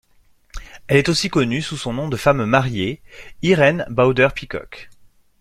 Elle est aussi connue sous son nom de femme mariée, Irene Bowder-Peacock.